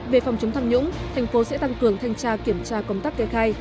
về phòng chống tham nhũng thành phố sẽ tăng cường thanh tra kiểm tra công tác kê khai